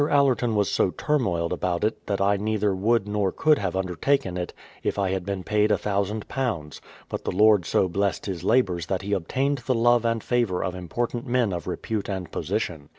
Allerton was so turmoiled about it, that I neither would nor could have undertaken it, if I had been paid a thousand pounds ; but the Lord so blessed his labours that he obtained the love and favour of important men of repute and position.